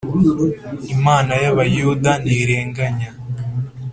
Imana ya bayuda ntirenganya